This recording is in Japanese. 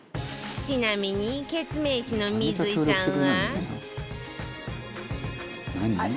ちなみにケツメイシの水井さんは